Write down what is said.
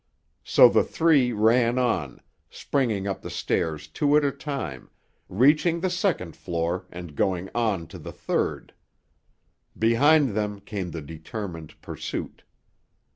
So the three ran on, springing up the stairs two at a time, reaching the second floor and going on to the third. Behind them came the determined pursuit.